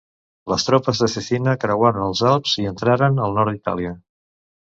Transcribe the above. Les tropes de Cecina creuaren els Alps i entraren al nord d'Itàlia.